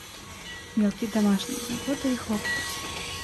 Мелкие домашние заботы и хлопоты.